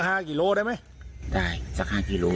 ห้ากิโลได้ไหมได้สักห้ากิโล